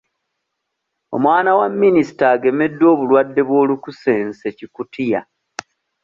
Omwana wa minisita agemeddwa obulwadde bw'olukusense-Kikutiya